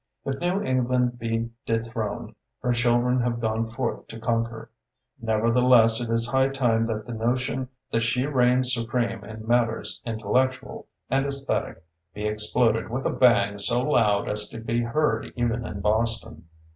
If New England be dethroned, her children have gone forth to conquer. Neverthe less, it is high time that the notion that she reigns supreme in matters in tellectual and esthetic be exploded with a bang so loud as to be heard even in Boston.